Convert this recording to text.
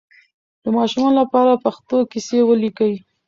د ماشومانو لپاره پښتو کیسې ولیکئ.